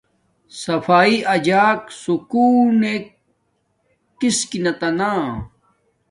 صفایݵ اجاک سکون نک کس تا نا